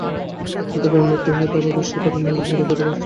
যাদের কারণে এটি হয়, তারা অদৃশ্য কারণে আঙুল ফুলে কলাগাছ হয়।